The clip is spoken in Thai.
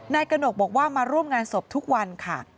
กระหนกบอกว่ามาร่วมงานศพทุกวันค่ะ